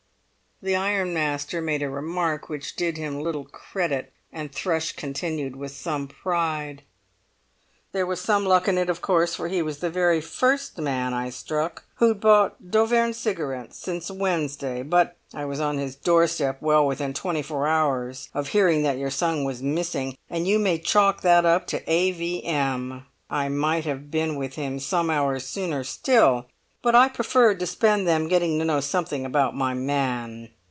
The ironmaster made a remark which did him little credit, and Thrush continued with some pride: "There was some luck in it, of course, for he was the very first man I struck who'd bought d'Auvergne Cigarettes since Wednesday; but I was on his doorstep well within twenty four hours of hearing that your son was missing; and you may chalk that up to A. V. M.! I might have been with him some hours sooner still, but I preferred to spend them getting to know something about my man.